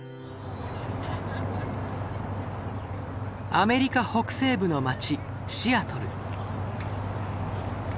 アメリカ北西部の街シアトル。